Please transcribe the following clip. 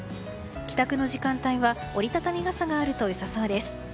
帰宅の時間帯は折り畳み傘があると良さそうです。